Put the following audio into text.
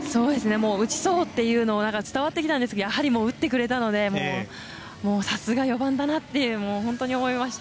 打ちそうっていうのが伝わってきたんですけどやはり、打ってくれたのでさすが４番だなと本当に思いました。